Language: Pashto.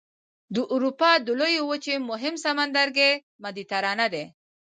د اروپا د لویې وچې مهم سمندرګی مدیترانه دی.